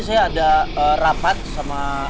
saya ada rapat sama